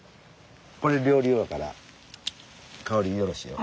これ料理用やから香りよろしいよ。